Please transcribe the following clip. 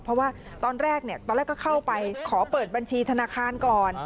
เพราะว่าตอนแรกตอนแรกก็เข้าไปขอเปิดบัญชีธนาคารก่อน